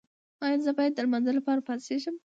ایا زه باید د لمانځه لپاره پاڅیږم؟